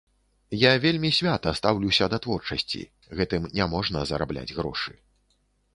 Я вельмі свята стаўлюся да творчасці, гэтым не можна зарабляць грошы.